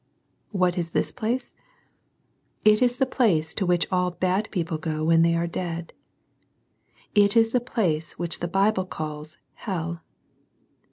What is this place ? It is the place to whicl all bad people go when they are dead. It i; the place which the Bible calls hell.